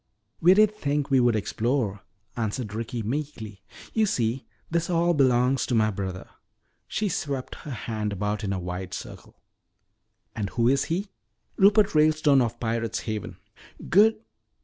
"We did think we would explore," answered Ricky meekly. "You see, this all belongs to my brother." She swept her hand about in a wide circle. "And just who is he?" "Rupert Ralestone of Pirate's Haven." "Good